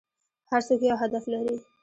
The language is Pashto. هر څوک یو هدف لري .